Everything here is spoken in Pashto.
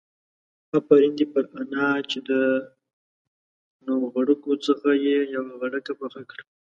آفرين دي پر انا چې د نو غړکو څخه يې يوه غړکه پخه کړه.